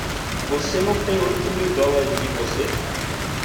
Você não tem oito mil dólares em você?